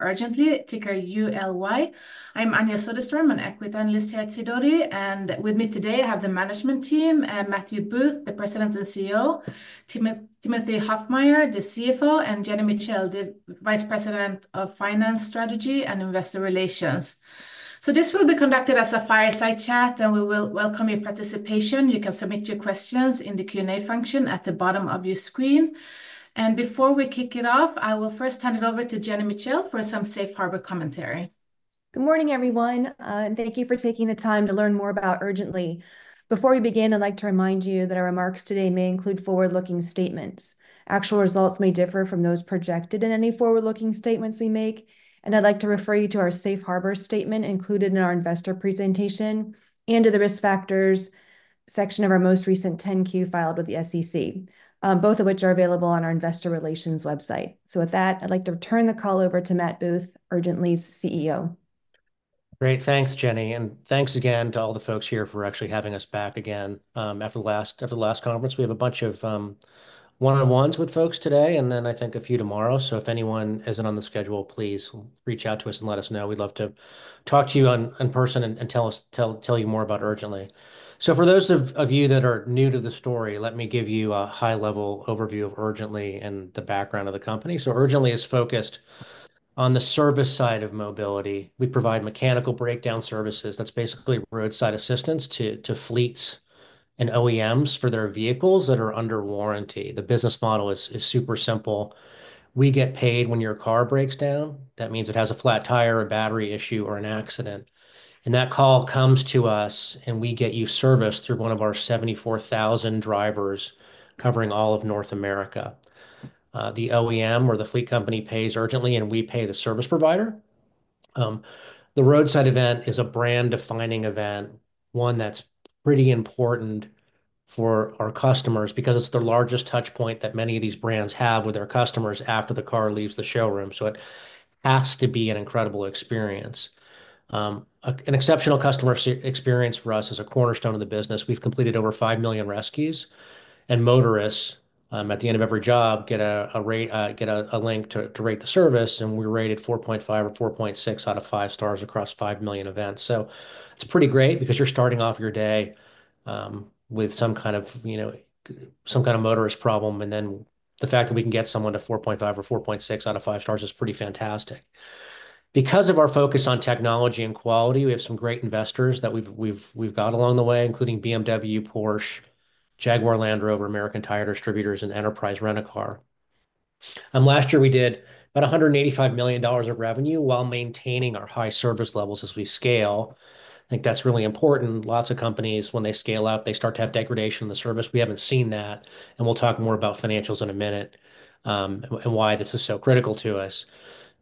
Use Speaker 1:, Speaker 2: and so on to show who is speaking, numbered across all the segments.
Speaker 1: Urgently. Ticker ULY. I'm Anja Soderstrom, an equity analyst here at Sidoti, and with me today I have the management team, Matthew Booth, the President and CEO, Timothy Huffmyer, the CFO, and Jenny Mitchell, the Vice President of Finance Strategy and Investor Relations. So this will be conducted as a fireside chat, and we will welcome your participation. You can submit your questions in the Q&A function at the bottom of your screen. And before we kick it off, I will first hand it over to Jenny Mitchell for some Safe Harbor commentary.
Speaker 2: Good morning, everyone, and thank you for taking the time to learn more about Urgently. Before we begin, I'd like to remind you that our remarks today may include forward-looking statements. Actual results may differ from those projected in any forward-looking statements we make. And I'd like to refer you to our Safe Harbor statement included in our investor presentation and to the risk factors section of our most recent 10-Q filed with the SEC, both of which are available on our investor relations website. So with that, I'd like to turn the call over to Matt Booth, Urgently's CEO.
Speaker 3: Great. Thanks, Jenny. And thanks again to all the folks here for actually having us back again after the last conference. We have a bunch of one-on-ones with folks today, and then I think a few tomorrow. So if anyone isn't on the schedule, please reach out to us and let us know. We'd love to talk to you in person and tell you more about Urgently. So for those of you that are new to the story, let me give you a high-level overview of Urgently and the background of the company. So Urgently is focused on the service side of mobility. We provide mechanical breakdown services. That's basically roadside assistance to fleets and OEMs for their vehicles that are under warranty. The business model is super simple. We get paid when your car breaks down. That means it has a flat tire, a battery issue, or an accident. That call comes to us, and we get you serviced through one of our 74,000 drivers covering all of North America. The OEM or the fleet company pays Urgently, and we pay the service provider. The roadside event is a brand-defining event, one that's pretty important for our customers because it's the largest touchpoint that many of these brands have with their customers after the car leaves the showroom. So it has to be an incredible experience. An exceptional customer experience for us is a cornerstone of the business. We've completed over 5 million rescues, and motorists at the end of every job get a link to rate the service, and we rate it 4.5 or 4.6 out of 5 stars across 5 million events. It's pretty great because you're starting off your day with some kind of motorist problem, and then the fact that we can get someone to 4.5 or 4.6 out of 5 stars is pretty fantastic. Because of our focus on technology and quality, we have some great investors that we've got along the way, including BMW, Porsche, Jaguar Land Rover, American Tire Distributors, and Enterprise Rent-A-Car. Last year, we did about $185 million of revenue while maintaining our high service levels as we scale. I think that's really important. Lots of companies, when they scale up, they start to have degradation in the service. We haven't seen that, and we'll talk more about financials in a minute and why this is so critical to us.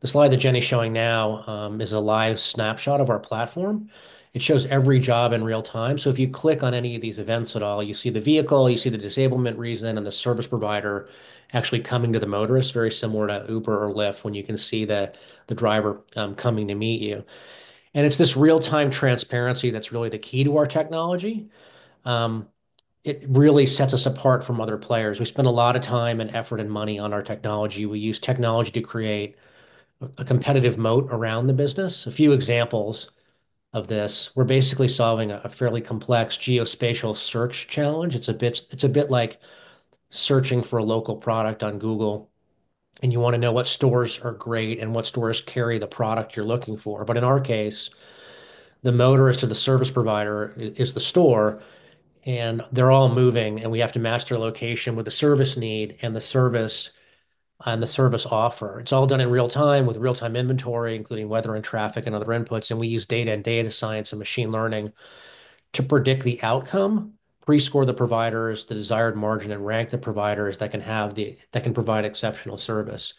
Speaker 3: The slide that Jenny is showing now is a live snapshot of our platform. It shows every job in real time. So if you click on any of these events at all, you see the vehicle, you see the disablement reason, and the service provider actually coming to the motorist, very similar to Uber or Lyft when you can see the driver coming to meet you. And it's this real-time transparency that's really the key to our technology. It really sets us apart from other players. We spend a lot of time and effort and money on our technology. We use technology to create a competitive moat around the business. A few examples of this, we're basically solving a fairly complex geospatial search challenge. It's a bit like searching for a local product on Google, and you want to know what stores are great and what stores carry the product you're looking for. But in our case, the motorist or the service provider is the store, and they're all moving, and we have to match their location with the service need and the service and the service offer. It's all done in real time with real-time inventory, including weather and traffic and other inputs. And we use data and data science and machine learning to predict the outcome, pre-score the providers, the desired margin, and rank the providers that can provide exceptional service.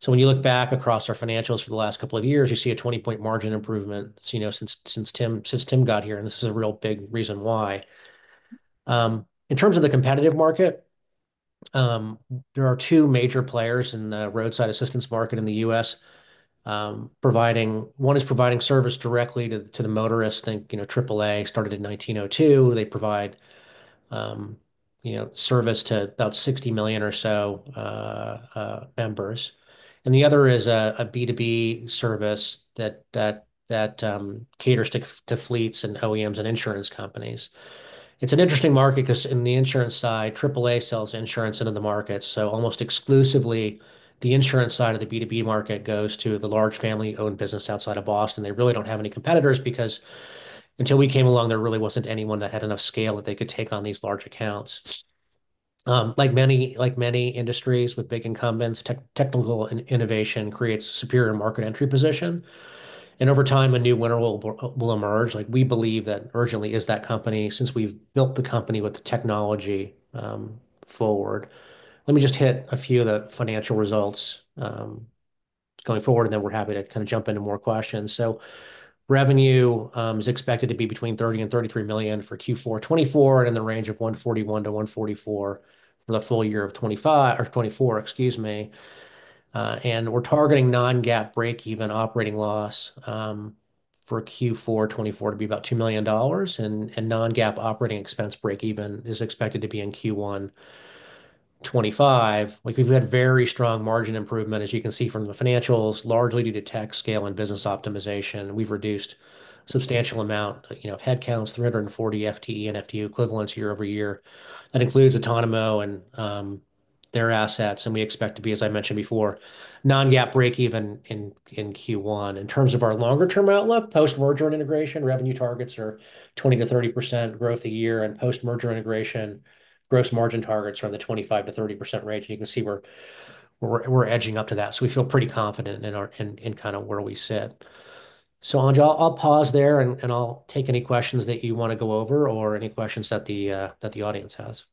Speaker 3: So when you look back across our financials for the last couple of years, you see a 20-point margin improvement since Tim got here, and this is a real big reason why. In terms of the competitive market, there are two major players in the roadside assistance market in the U.S. One is providing service directly to the motorists. Think AAA started in 1902. They provide service to about 60 million or so members. And the other is a B2B service that caters to fleets and OEMs and insurance companies. It's an interesting market because in the insurance side, AAA sells insurance into the market. So almost exclusively, the insurance side of the B2B market goes to the large family-owned business outside of Boston. They really don't have any competitors because until we came along, there really wasn't anyone that had enough scale that they could take on these large accounts. Like many industries with big incumbents, technical innovation creates a superior market entry position. And over time, a new winner will emerge. We believe that Urgently is that company since we've built the company with the technology forward. Let me just hit a few of the financial results going forward, and then we're happy to kind of jump into more questions. Revenue is expected to be between $30 million and $33 million for Q4 2024 and in the range of $141 million-$144 million for the full year of 2024, excuse me. We're targeting non-GAAP break-even operating loss for Q4 2024 to be about $2 million, and non-GAAP operating expense break-even is expected to be in Q1 2025. We've had very strong margin improvement, as you can see from the financials, largely due to tech scale and business optimization. We've reduced a substantial amount of headcounts, 340 FTE and FTE equivalents year-over-year. That includes Otonomo and their assets, and we expect to be, as I mentioned before, non-GAAP break-even in Q1. In terms of our longer-term outlook, post-merger integration, revenue targets are 20%-30% growth a year, and post-merger integration, gross margin targets are in the 25%-30% range. You can see we're edging up to that. We feel pretty confident in kind of where we sit. Anja, I'll pause there, and I'll take any questions that you want to go over or any questions that the audience has.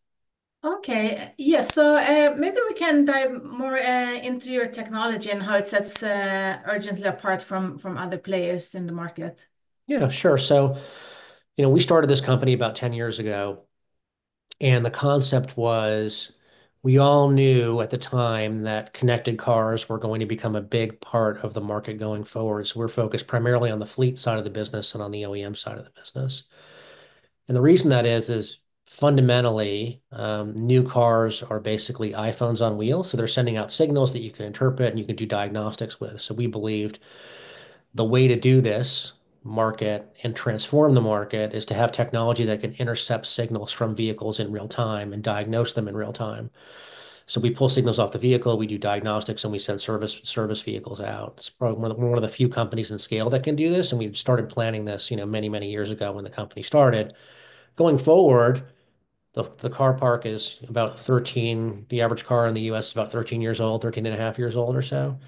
Speaker 1: Okay. Yeah, so maybe we can dive more into your technology and how it sets Urgently apart from other players in the market.
Speaker 3: Yeah, sure. So we started this company about 10 years ago, and the concept was we all knew at the time that connected cars were going to become a big part of the market going forward. So we're focused primarily on the fleet side of the business and on the OEM side of the business. And the reason that is, is fundamentally, new cars are basically iPhones on wheels, so they're sending out signals that you can interpret and you can do diagnostics with. So we believed the way to do this market and transform the market is to have technology that can intercept signals from vehicles in real time and diagnose them in real time. So we pull signals off the vehicle, we do diagnostics, and we send service vehicles out. It's probably one of the few companies in scale that can do this, and we started planning this many, many years ago when the company started. Going forward, the car parc is about 13. The average car in the U.S. is about 13 years old, 13 and a half years old or so.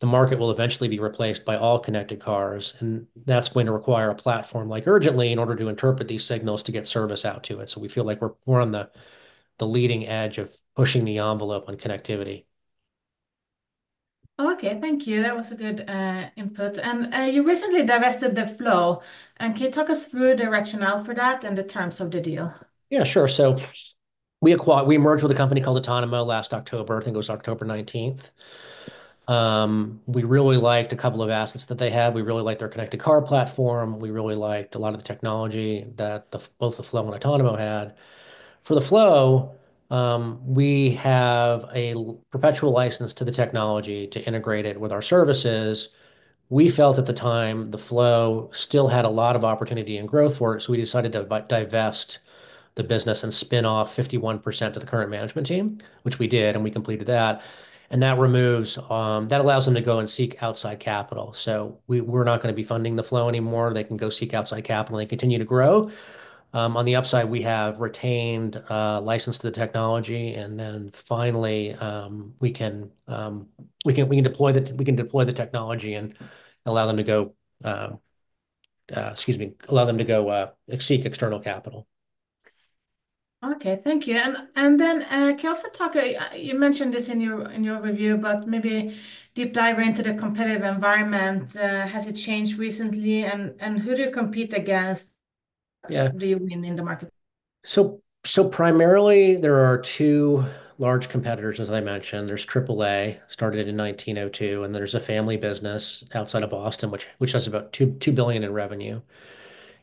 Speaker 3: The market will eventually be replaced by all connected cars, and that's going to require a platform like Urgently in order to interpret these signals to get service out to it. So we feel like we're on the leading edge of pushing the envelope on connectivity.
Speaker 1: Okay. Thank you. That was a good input. And you recently divested The Floow. And can you talk us through the rationale for that and the terms of the deal?
Speaker 3: Yeah, sure. So we merged with a company called Otonomo last October. I think it was October 19th. We really liked a couple of assets that they had. We really liked their connected car platform. We really liked a lot of the technology that both The Floow and Otonomo had. For The Floow, we have a perpetual license to the technology to integrate it with our services. We felt at the time The Floow still had a lot of opportunity and growth for it, so we decided to divest the business and spin off 51% of the current management team, which we did, and we completed that. And that allows them to go and seek outside capital. So we're not going to be funding The Floow anymore. They can go seek outside capital, and they continue to grow. On the upside, we have retained license to the technology, and then finally, we can deploy the technology and allow them to go, excuse me, allow them to go seek external capital.
Speaker 1: Okay. Thank you. And then can I also talk? You mentioned this in your review, but maybe deep dive into the competitive environment. Has it changed recently, and who do you compete against in the market?
Speaker 3: So primarily, there are two large competitors, as I mentioned. There's AAA, started in 1902, and there's a family business outside of Boston, which does about $2 billion in revenue.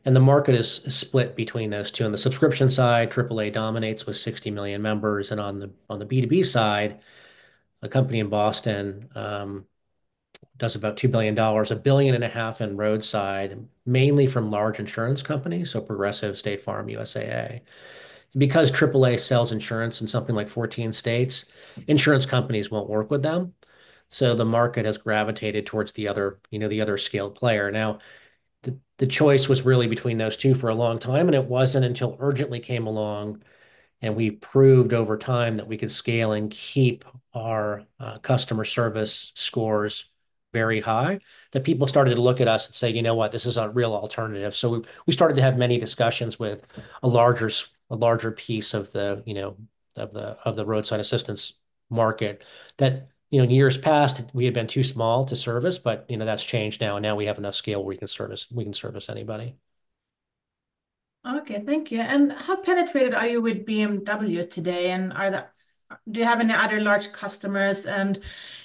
Speaker 3: And the market is split between those two. On the subscription side, AAA dominates with 60 million members. And on the B2B side, a company in Boston does about $2 billion, $1.5 billion in roadside, mainly from large insurance companies, so Progressive, State Farm, USAA. And because AAA sells insurance in something like 14 states, insurance companies won't work with them. So the market has gravitated towards the other scaled player. Now, the choice was really between those two for a long time, and it wasn't until Urgently came along, and we proved over time that we could scale and keep our customer service scores very high, that people started to look at us and say, "You know what? This is a real alternative." So we started to have many discussions with a larger piece of the roadside assistance market. That in years past, we had been too small to service, but that's changed now. Now we have enough scale where we can service anybody.
Speaker 1: Okay. Thank you. And how penetrated are you with BMW today? And do you have any other large customers? And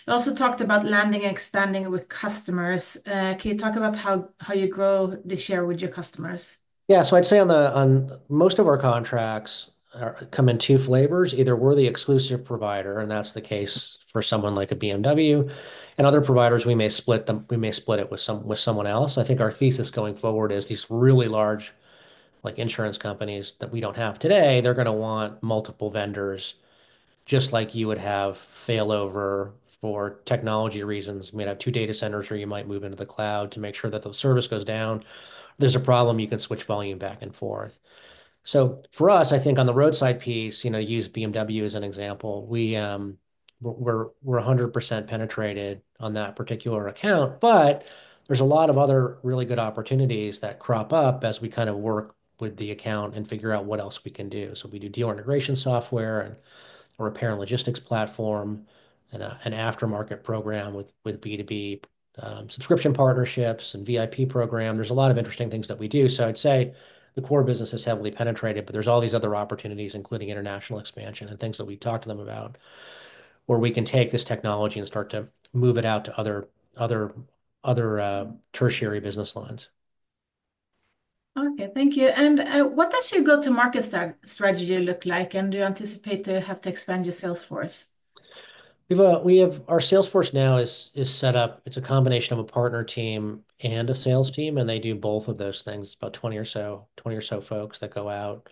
Speaker 1: you also talked about landing and expanding with customers. Can you talk about how you grow this year with your customers?
Speaker 3: Yeah. So I'd say that most of our contracts come in two flavors. Either we're the exclusive provider, and that's the case for someone like BMW. For other providers, we may split it with someone else. I think our thesis going forward is these really large insurance companies that we don't have today. They're going to want multiple vendors, just like you would have failover for technology reasons. You might have two data centers or you might move into the cloud to make sure that the service doesn't go down. There's a problem, you can switch volume back and forth. So for us, I think on the roadside piece, use BMW as an example. We're 100% penetrated on that particular account, but there's a lot of other really good opportunities that crop up as we kind of work with the account and figure out what else we can do. So we do deal integration software and a repair and logistics platform and an aftermarket program with B2B subscription partnerships and VIP program. There's a lot of interesting things that we do. So I'd say the core business is heavily penetrated, but there's all these other opportunities, including international expansion and things that we've talked to them about, where we can take this technology and start to move it out to other tertiary business lines.
Speaker 1: Okay. Thank you. And what does your go-to-market strategy look like, and do you anticipate to have to expand your sales force?
Speaker 3: Our sales force now is set up. It's a combination of a partner team and a sales team, and they do both of those things. It's about 20 or so folks that go out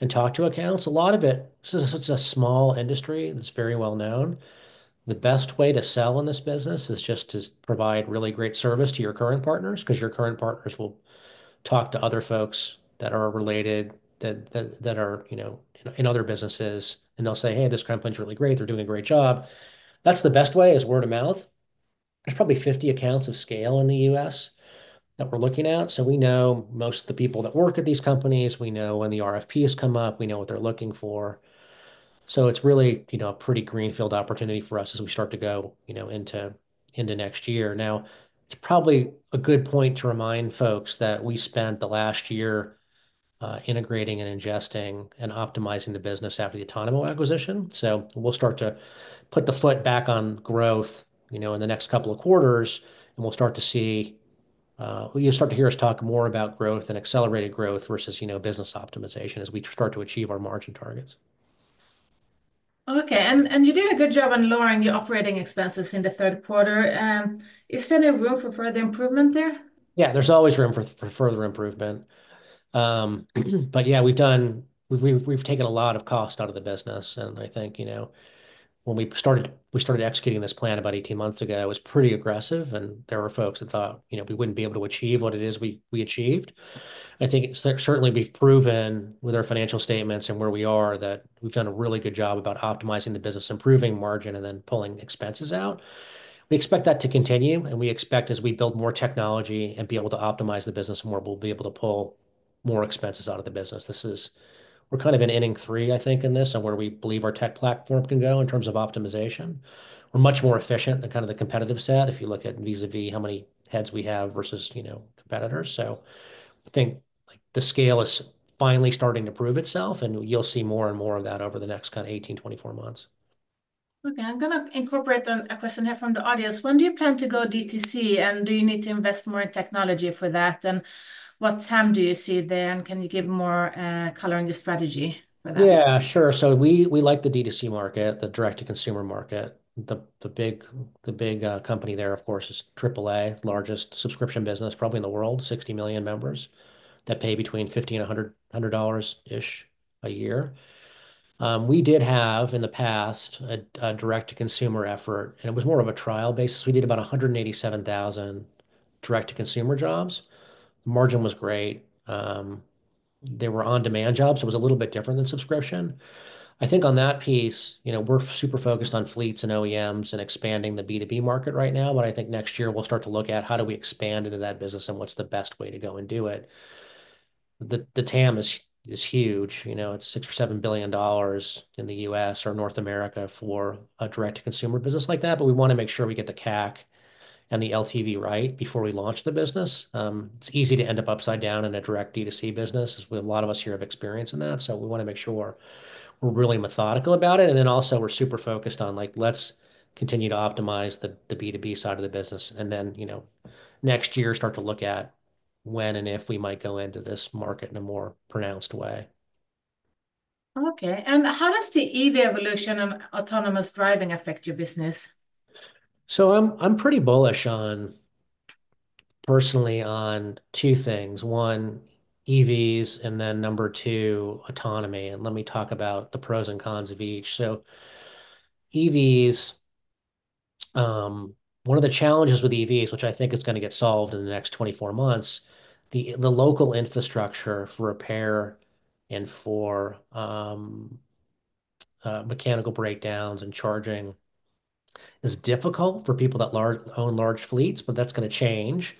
Speaker 3: and talk to accounts. A lot of it, it's a small industry that's very well known. The best way to sell in this business is just to provide really great service to your current partners because your current partners will talk to other folks that are related, that are in other businesses, and they'll say, "Hey, this company's really great. They're doing a great job." That's the best way is word of mouth. There's probably 50 accounts of scale in the U.S. that we're looking at. So we know most of the people that work at these companies. We know when the RFP has come up. We know what they're looking for. So it's really a pretty greenfield opportunity for us as we start to go into next year. Now, it's probably a good point to remind folks that we spent the last year integrating and ingesting and optimizing the business after the Otonomo acquisition. So we'll start to put the foot back on growth in the next couple of quarters, and we'll start to see you'll start to hear us talk more about growth and accelerated growth versus business optimization as we start to achieve our margin targets.
Speaker 1: Okay. You did a good job on lowering your operating expenses in the third quarter. Is there any room for further improvement there?
Speaker 3: Yeah, there's always room for further improvement. But yeah, we've taken a lot of cost out of the business. And I think when we started executing this plan about 18 months ago, it was pretty aggressive, and there were folks that thought we wouldn't be able to achieve what it is we achieved. I think certainly we've proven with our financial statements and where we are that we've done a really good job about optimizing the business, improving margin, and then pulling expenses out. We expect that to continue, and we expect as we build more technology and be able to optimize the business more, we'll be able to pull more expenses out of the business. We're kind of in inning three, I think, in this and where we believe our tech platform can go in terms of optimization. We're much more efficient than kind of the competitive set if you look at vis-à-vis how many heads we have versus competitors. So I think the scale is finally starting to prove itself, and you'll see more and more of that over the next kind of 18-24 months.
Speaker 1: Okay. I'm going to incorporate a question here from the audience. When do you plan to go DTC, and do you need to invest more in technology for that? And what time do you see there, and can you give more color in your strategy for that?
Speaker 3: Yeah, sure. So we like the DTC market, the direct-to-consumer market. The big company there, of course, is AAA, largest subscription business probably in the world, 60 million members that pay between $50-$100-ish a year. We did have in the past a direct-to-consumer effort, and it was more of a trial basis. We did about 187,000 direct-to-consumer jobs. Margin was great. They were on-demand jobs. It was a little bit different than subscription. I think on that piece, we're super focused on fleets and OEMs and expanding the B2B market right now. But I think next year we'll start to look at how do we expand into that business and what's the best way to go and do it. The TAM is huge. It's $6 billion or $7 billion in the U.S. or North America for a direct-to-consumer business like that, but we want to make sure we get the CAC and the LTV right before we launch the business. It's easy to end up upside down in a direct DTC business, as a lot of us here have experience in that. So we want to make sure we're really methodical about it. And then also, we're super focused on, "Let's continue to optimize the B2B side of the business," and then next year start to look at when and if we might go into this market in a more pronounced way.
Speaker 1: Okay, and how does the EV evolution and autonomous driving affect your business?
Speaker 3: So, I'm pretty bullish personally on two things. One, EVs, and then number two, autonomy. And let me talk about the pros and cons of each. So, EVs, one of the challenges with EVs, which I think is going to get solved in the next 24 months, the local infrastructure for repair and for mechanical breakdowns and charging is difficult for people that own large fleets, but that's going to change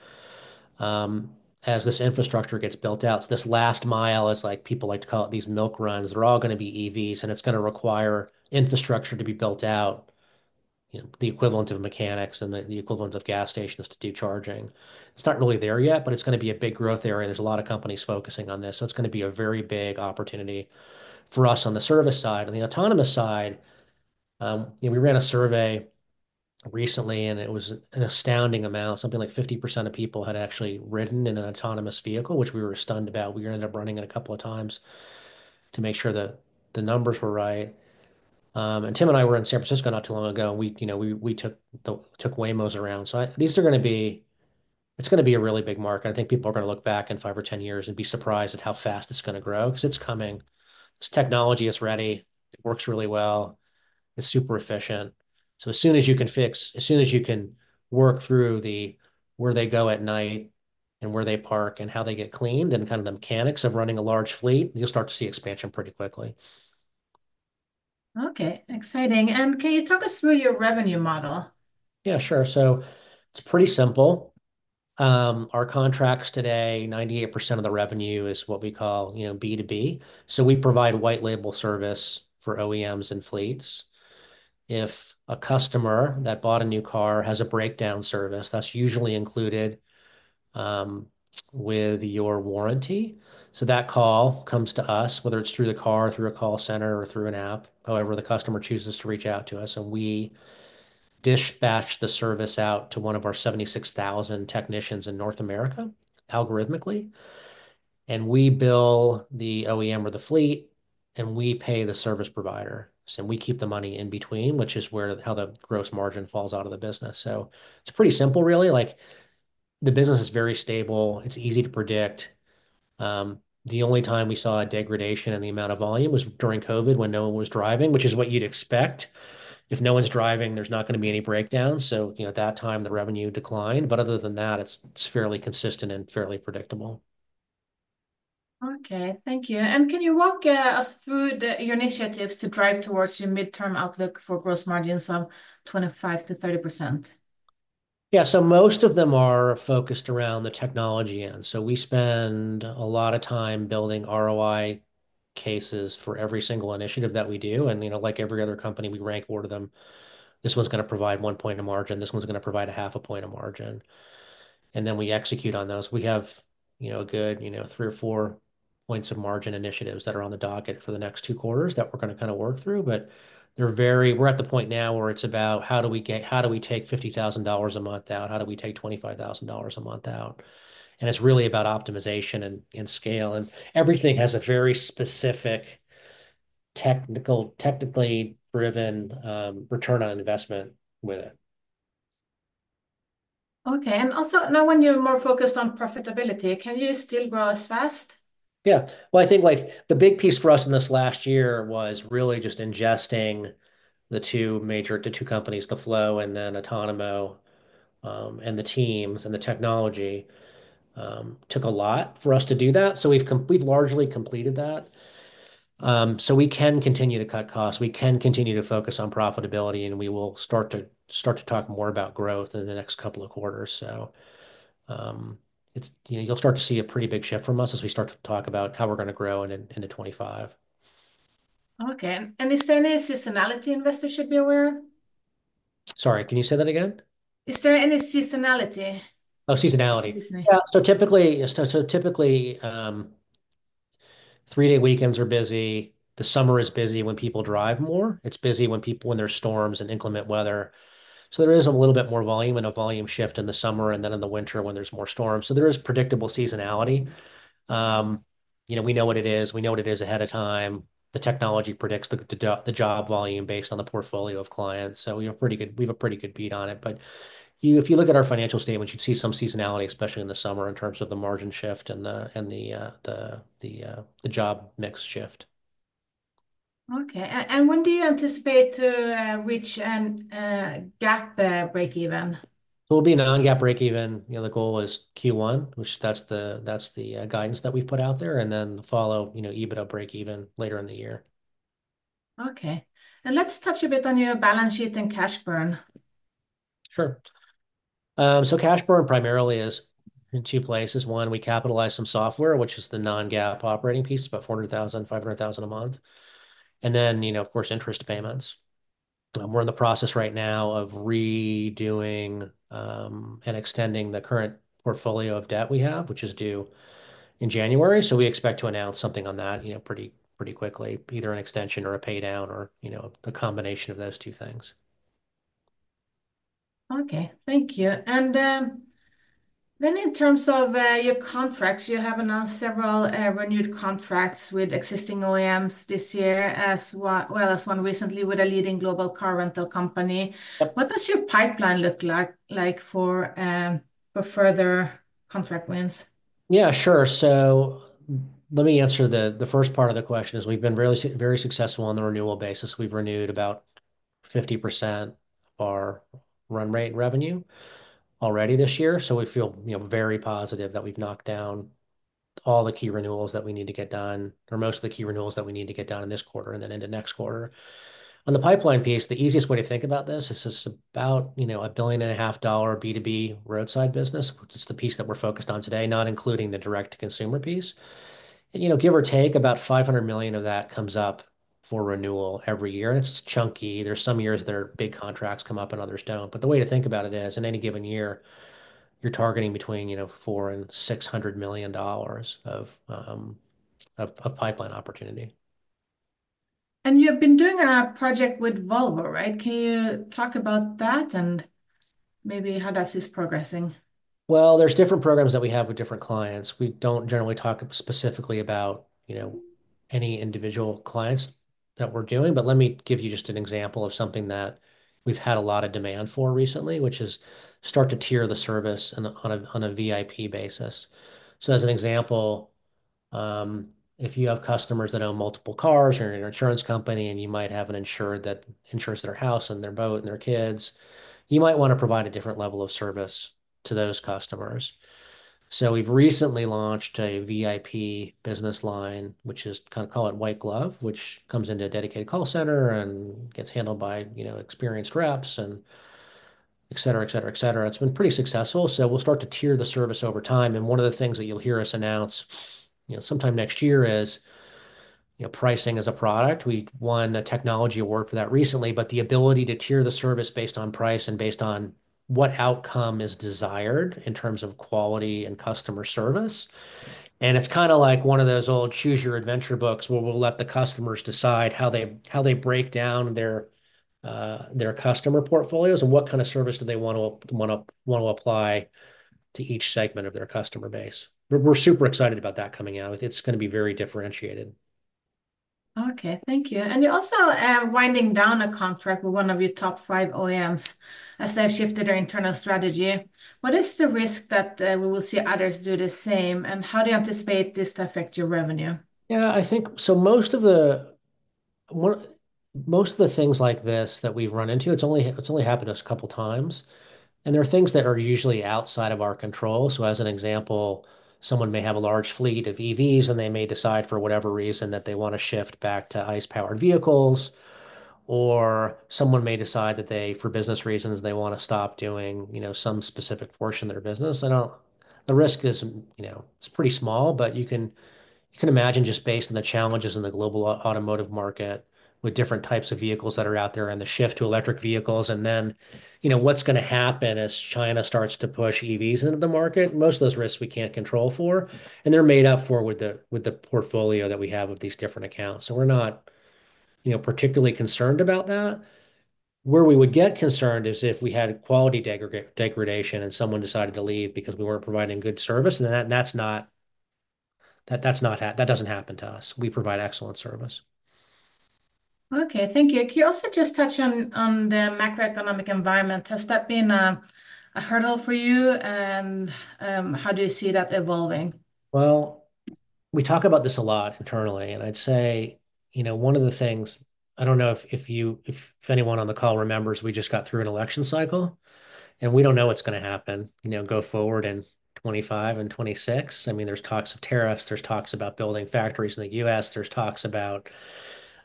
Speaker 3: as this infrastructure gets built out. So, this last mile is like people like to call it these milk runs. They're all going to be EVs, and it's going to require infrastructure to be built out, the equivalent of mechanics and the equivalent of gas stations to do charging. It's not really there yet, but it's going to be a big growth area. There's a lot of companies focusing on this. So it's going to be a very big opportunity for us on the service side. On the autonomous side, we ran a survey recently, and it was an astounding amount. Something like 50% of people had actually ridden in an autonomous vehicle, which we were stunned about. We ended up running it a couple of times to make sure that the numbers were right. And Tim and I were in San Francisco not too long ago, and we took Waymo around. So these are going to be, it's going to be a really big market. I think people are going to look back in five or 10 years and be surprised at how fast it's going to grow because it's coming. This technology is ready. It works really well. It's super efficient. As soon as you can work through where they go at night and where they park and how they get cleaned and kind of the mechanics of running a large fleet, you'll start to see expansion pretty quickly.
Speaker 1: Okay. Exciting, and can you talk us through your revenue model?
Speaker 3: Yeah, sure. So it's pretty simple. Our contracts today, 98% of the revenue is what we call B2B. So we provide white-label service for OEMs and fleets. If a customer that bought a new car has a breakdown service, that's usually included with your warranty. So that call comes to us, whether it's through the car, through a call center, or through an app, however the customer chooses to reach out to us. And we dispatch the service out to one of our 76,000 technicians in North America algorithmically. And we bill the OEM or the fleet, and we pay the service provider. And we keep the money in between, which is how the gross margin falls out of the business. So it's pretty simple, really. The business is very stable. It's easy to predict. The only time we saw a degradation in the amount of volume was during COVID when no one was driving, which is what you'd expect. If no one's driving, there's not going to be any breakdowns. So at that time, the revenue declined. But other than that, it's fairly consistent and fairly predictable.
Speaker 1: Okay. Thank you. And can you walk us through your initiatives to drive towards your midterm outlook for gross margins of 25%-30%?
Speaker 3: Yeah. So most of them are focused around the technology end. So we spend a lot of time building ROI cases for every single initiative that we do. And like every other company, we rank order them. This one's going to provide one point of margin. This one's going to provide a half a point of margin. And then we execute on those. We have a good three or four points of margin initiatives that are on the docket for the next two quarters that we're going to kind of work through. But we're at the point now where it's about how do we take $50,000 a month out? How do we take $25,000 a month out? And it's really about optimization and scale. And everything has a very specific technically driven return on investment with it.
Speaker 1: Okay, and also, now when you're more focused on profitability, can you still grow as fast?
Speaker 3: Yeah. Well, I think the big piece for us in this last year was really just ingesting the two companies, The Floow and then Otonomo and the teams and the technology took a lot for us to do that. So we've largely completed that. So we can continue to cut costs. We can continue to focus on profitability, and we will start to talk more about growth in the next couple of quarters. So you'll start to see a pretty big shift from us as we start to talk about how we're going to grow into 2025.
Speaker 1: Okay, and is there any seasonality investors should be aware?
Speaker 3: Sorry, can you say that again?
Speaker 1: Is there any seasonality?
Speaker 3: Oh, seasonality. So typically, three-day weekends are busy. The summer is busy when people drive more. It's busy when there's storms and inclement weather. So there is a little bit more volume and a volume shift in the summer and then in the winter when there's more storms. So there is predictable seasonality. We know what it is. We know what it is ahead of time. The technology predicts the job volume based on the portfolio of clients. So we have a pretty good beat on it. But if you look at our financial statements, you'd see some seasonality, especially in the summer in terms of the margin shift and the job mix shift.
Speaker 1: Okay, and when do you anticipate to reach a GAAP break-even?
Speaker 3: It'll be a non-GAAP break-even. The goal is Q1, which, that's the guidance that we've put out there, then follow EBITDA break-even later in the year.
Speaker 1: Okay. And let's touch a bit on your balance sheet and cash burn.
Speaker 3: Sure. So cash burn primarily is in two places. One, we capitalize some software, which is the non-GAAP operating piece, about $400,000-$500,000 a month. And then, of course, interest payments. We're in the process right now of redoing and extending the current portfolio of debt we have, which is due in January. So we expect to announce something on that pretty quickly, either an extension or a paydown or a combination of those two things.
Speaker 1: Okay. Thank you. And then in terms of your contracts, you have announced several renewed contracts with existing OEMs this year, as well as one recently with a leading global car rental company. What does your pipeline look like for further contract wins?
Speaker 3: Yeah, sure. So let me answer the first part of the question is we've been very successful on the renewal basis. We've renewed about 50% of our run rate revenue already this year. So we feel very positive that we've knocked down all the key renewals that we need to get done or most of the key renewals that we need to get done in this quarter and then into next quarter. On the pipeline piece, the easiest way to think about this is it's about $1.5 billion B2B roadside business, which is the piece that we're focused on today, not including the direct-to-consumer piece. Give or take, about $500 million of that comes up for renewal every year. And it's chunky. There's some years that big contracts come up and others don't. But the way to think about it is, in any given year, you're targeting between $400 million and $600 million of pipeline opportunity.
Speaker 1: You've been doing a project with Volvo, right? Can you talk about that and maybe how that's progressing?
Speaker 3: There's different programs that we have with different clients. We don't generally talk specifically about any individual clients that we're doing, but let me give you just an example of something that we've had a lot of demand for recently, which is start to tier the service on a VIP basis, so as an example, if you have customers that own multiple cars or an insurance company and you might have an insurance that insures their house and their boat and their kids, you might want to provide a different level of service to those customers, so we've recently launched a VIP business line, which is kind of call it white glove, which comes into a dedicated call center and gets handled by experienced reps, etc., etc., etc. It's been pretty successful, so we'll start to tier the service over time. And one of the things that you'll hear us announce sometime next year is Pricing as a Product. We won a technology award for that recently, but the ability to tier the service based on price and based on what outcome is desired in terms of quality and customer service. And it's kind of like one of those old Choose Your Adventure books where we'll let the customers decide how they break down their customer portfolios and what kind of service do they want to apply to each segment of their customer base. We're super excited about that coming out. It's going to be very differentiated.
Speaker 1: Okay. Thank you. And you're also winding down a contract with one of your top five OEMs as they've shifted their internal strategy. What is the risk that we will see others do the same, and how do you anticipate this to affect your revenue?
Speaker 3: Yeah. So most of the things like this that we've run into, it's only happened to us a couple of times. And there are things that are usually outside of our control. So as an example, someone may have a large fleet of EVs, and they may decide for whatever reason that they want to shift back to ICE-powered vehicles, or someone may decide that for business reasons, they want to stop doing some specific portion of their business. The risk is pretty small, but you can imagine just based on the challenges in the global automotive market with different types of vehicles that are out there and the shift to electric vehicles. And then what's going to happen as China starts to push EVs into the market? Most of those risks we can't control for. They're made up for with the portfolio that we have of these different accounts. So we're not particularly concerned about that. Where we would get concerned is if we had quality degradation and someone decided to leave because we weren't providing good service. That's not. That doesn't happen to us. We provide excellent service.
Speaker 1: Okay. Thank you. Can you also just touch on the macroeconomic environment? Has that been a hurdle for you, and how do you see that evolving?
Speaker 3: We talk about this a lot internally. And I'd say one of the things I don't know if anyone on the call remembers, we just got through an election cycle, and we don't know what's going to happen going forward in 2025 and 2026. I mean, there's talks of tariffs. There's talks about building factories in the U.S. There's talks about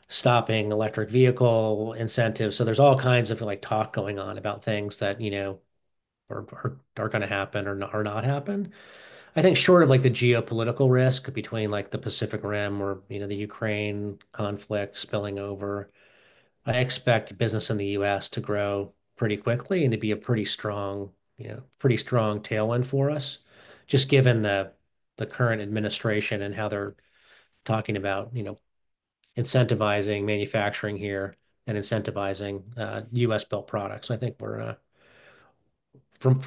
Speaker 3: stopping electric vehicle incentives. So there's all kinds of talk going on about things that are going to happen or not happen. I think short of the geopolitical risk between the Pacific Rim or the Ukraine conflict spilling over, I expect business in the U.S. to grow pretty quickly and to be a pretty strong tailwind for us, just given the current administration and how they're talking about incentivizing manufacturing here and incentivizing U.S.-built products. I think from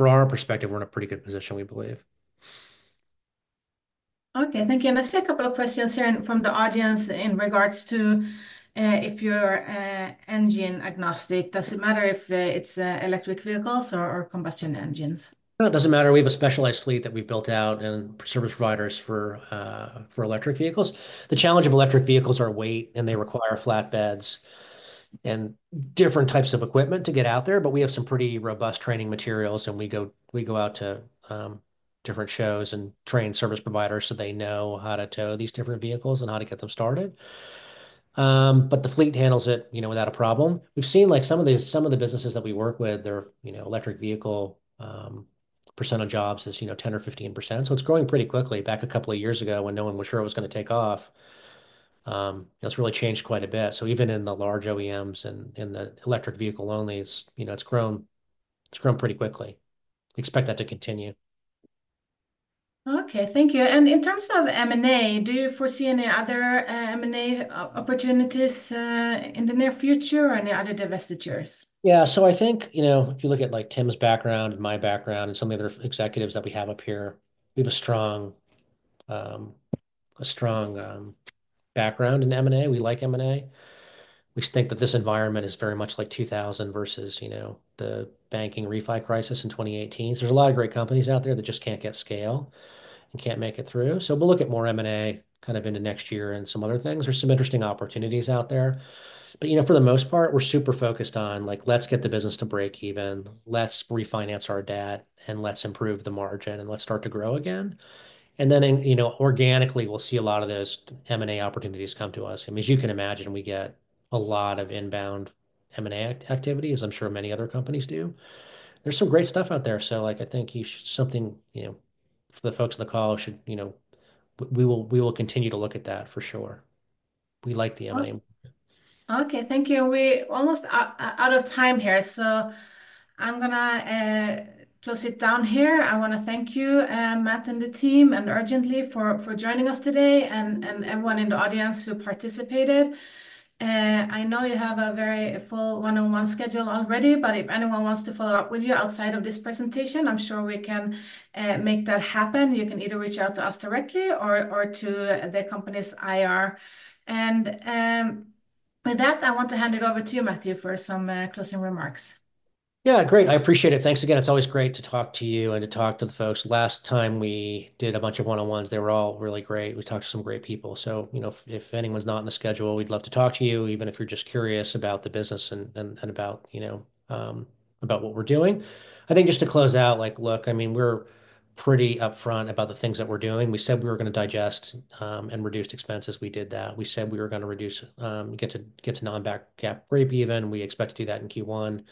Speaker 3: our perspective, we're in a pretty good position, we believe.
Speaker 1: Okay. Thank you. And I see a couple of questions here from the audience in regards to if you're engine agnostic. Does it matter if it's electric vehicles or combustion engines?
Speaker 3: It doesn't matter. We have a specialized fleet that we've built out and service providers for electric vehicles. The challenge of electric vehicles is our weight, and they require flatbeds and different types of equipment to get out there. But we have some pretty robust training materials, and we go out to different shows and train service providers so they know how to tow these different vehicles and how to get them started. But the fleet handles it without a problem. We've seen some of the businesses that we work with, their electric vehicle percent of jobs is 10% or 15%. So it's growing pretty quickly. Back a couple of years ago when no one was sure it was going to take off, it's really changed quite a bit. So even in the large OEMs and in the electric vehicle only, it's grown pretty quickly. We expect that to continue.
Speaker 1: Okay. Thank you. And in terms of M&A, do you foresee any other M&A opportunities in the near future or any other divestitures?
Speaker 3: Yeah. So I think if you look at Tim's background and my background and some of the other executives that we have up here, we have a strong background in M&A. We like M&A. We think that this environment is very much like 2000 versus the banking refi crisis in 2018. So there's a lot of great companies out there that just can't get scale and can't make it through. So we'll look at more M&A kind of into next year and some other things. There's some interesting opportunities out there. But for the most part, we're super focused on, "Let's get the business to break even. Let's refinance our debt, and let's improve the margin, and let's start to grow again." And then organically, we'll see a lot of those M&A opportunities come to us. And as you can imagine, we get a lot of inbound M&A activity, as I'm sure many other companies do. There's some great stuff out there. So I think something for the folks on the call, we will continue to look at that for sure. We like the M&A.
Speaker 1: Okay. Thank you. We're almost out of time here. So I'm going to close it down here. I want to thank you, Matt and the team, and Urgently for joining us today and everyone in the audience who participated. I know you have a very full one-on-one schedule already, but if anyone wants to follow up with you outside of this presentation, I'm sure we can make that happen. You can either reach out to us directly or to the company's IR. And with that, I want to hand it over to you, Matthew, for some closing remarks.
Speaker 3: Yeah. Great. I appreciate it. Thanks again. It's always great to talk to you and to talk to the folks. Last time we did a bunch of one-on-ones, they were all really great. We talked to some great people. So if anyone's not on the schedule, we'd love to talk to you, even if you're just curious about the business and about what we're doing. I think just to close out, look, I mean, we're pretty upfront about the things that we're doing. We said we were going to digest and reduce expenses. We did that. We said we were going to get to non-GAAP break-even. We expect to do that in Q1.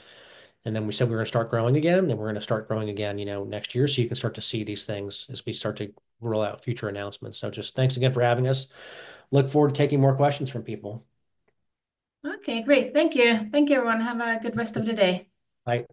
Speaker 3: And then we said we were going to start growing again, and we're going to start growing again next year. So you can start to see these things as we start to roll out future announcements. So just thanks again for having us. Look forward to taking more questions from people.
Speaker 1: Okay. Great. Thank you. Thank you, everyone. Have a good rest of the day.
Speaker 3: Bye.